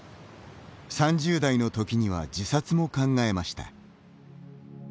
３０代の時には自殺も考えました。